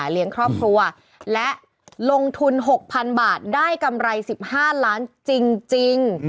ลงทุน๖๐๐๐บาทได้กำไร๑๕ล้านจริง